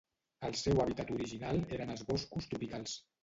El seu hàbitat original eren els boscos tropicals.